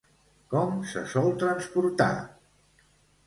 Com se sol transportar?